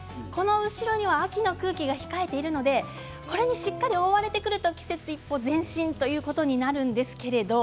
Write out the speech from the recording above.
後ろには秋の空気が控えているのでこれにしっかりと覆われてくると季節は一歩前進ということになります。